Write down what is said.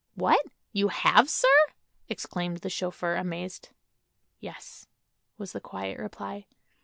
"What! you have, sir?" exclaimed the chauffeur, amazed. "Yes," was the quiet reply.